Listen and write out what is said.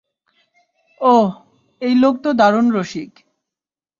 ওহ, এই লোক তো দারুণ রসিক।